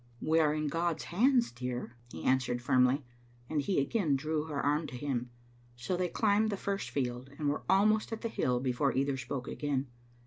"We are in God's hands, dear," he answered, firmly, and he again drew her arm to him. So they climbed the first field, and were almost at the hill before either spoke again.